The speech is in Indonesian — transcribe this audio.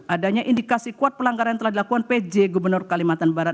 adanya indikasi kuat pelanggaran yang telah dilakukan pj gubernur kalimantan barat